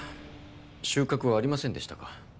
収穫はありませんでしたか。